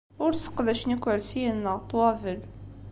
Ur sseqdacen ikursiyen neɣ ṭṭwabel.